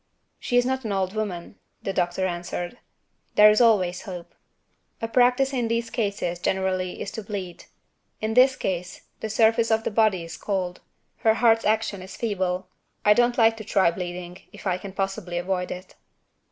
"She is not an old woman," the doctor answered; "there is always hope. The practice in these cases generally is to bleed. In this case, the surface of the body is cold; the heart's action is feeble I don't like to try bleeding, if I can possibly avoid it."